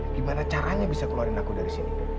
gimana caranya bisa keluarin aku dari sini